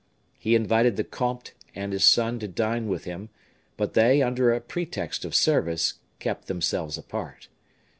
He invited the comte had his son to dine with him; but they, under a pretext of service, kept themselves apart.